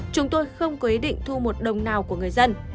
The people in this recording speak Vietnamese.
chúng tôi không có ý định thu một đồng nào của người dân